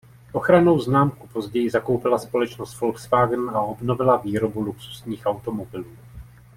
Ochrannou známku později zakoupila společnost Volkswagen a obnovila výrobu luxusních automobilů.